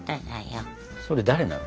それ誰なの？